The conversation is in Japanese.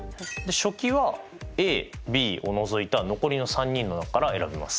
書記はＡＢを除いた残りの３人の中から選びます。